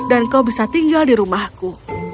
dan kau bisa tinggal di rumahku